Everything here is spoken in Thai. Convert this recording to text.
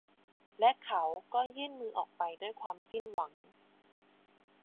และเขาก็ยื่นมืออกไปด้วยความสิ้นหวัง